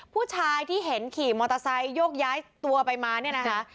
ผู้ชายที่เห็นขี่มอเตอร์ไซค์โยกย้ายตัวไปมาเนี่ยนะคะ